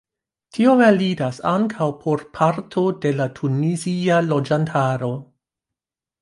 Tio validas ankaŭ por parto de la tunizia loĝantaro.